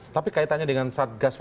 tapi kaitannya dengan satgas